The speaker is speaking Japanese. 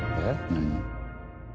何？